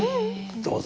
どうぞ。